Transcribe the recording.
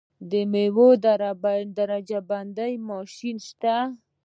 د میوو د درجه بندۍ ماشین شته؟